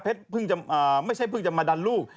ไม่ใช่เพิ่งจะมาดันลูก